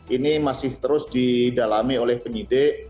ini masih terus didalami oleh penyidik